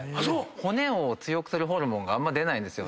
骨を強くするホルモンがあんま出ないんですよ。